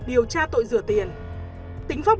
điều tra tội dừa tiền tính pháp